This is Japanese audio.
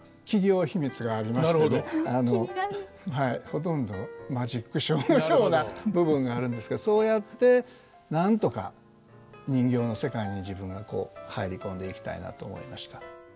ほとんどマジックショーのような部分があるんですけどそうやってなんとか人形の世界に自分がこう入り込んでいきたいなと思いました。